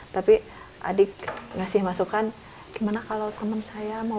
tapi adik ngasih masukan gimana kalau temen saya mau